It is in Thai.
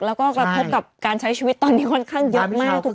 แล้วก็กระทบกับการใช้ชีวิตตอนนี้ค่อนข้างเยอะมาก